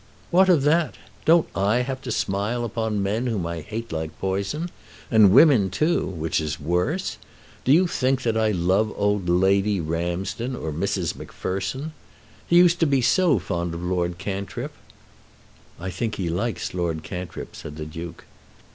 "What of that? Don't I have to smile upon men whom I hate like poison; and women too, which is worse? Do you think that I love old Lady Ramsden, or Mrs. MacPherson? He used to be so fond of Lord Cantrip." "I think he likes Lord Cantrip," said the Duke.